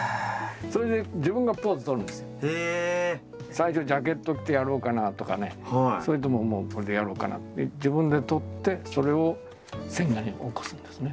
最初ジャケットを着てやろうかなとかねそれとももうこれでやろうかなって自分で撮ってそれを線画に起こすんですね。